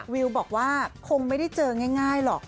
วิวบอกว่าคงไม่ได้เจอง่ายหรอก